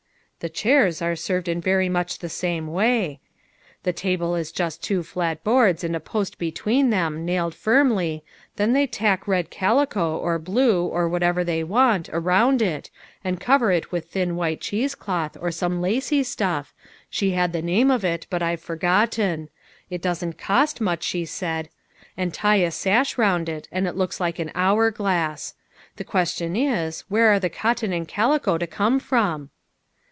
"The chairs are served in very much the same way. The table is just two flat boards and a post between them, nailed firmly, then they tack red calico, or blue, or whatever they want, around it, and cover it with thin white cheese cloth or some lacey stuff, she had the name of it, but I've forgotten ; it doesn't cost much, she said, and tie a sash around it, and it looks like an hour glass. The question is, where are the cotton and calico to come from